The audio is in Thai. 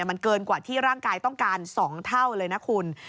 มันเกินกว่าที่ร่างกายต้องการ๒เท่าเลยนะคุณ